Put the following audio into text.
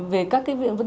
về các cái viện vận chuyển